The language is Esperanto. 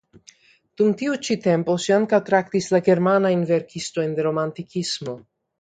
Dum tiu ĉi tempo ŝi ankaŭ traktis la germanajn verkistojn de romantikismo.